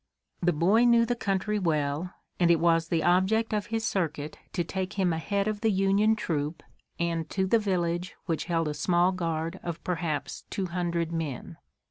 The boy knew the country well, and it was the object of his circuit to take him ahead of the Union troop and to the village which held a small guard of perhaps two hundred men.